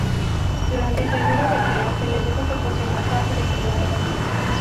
Durante el periodo de cría se les debe proporcionar pasta de cría o papilla.